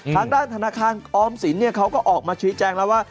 ทางด้านธนาคารออมสินเขาก็ออกมาชี้แจงแล้วว่า